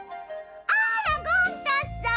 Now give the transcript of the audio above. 「あらゴン太さん。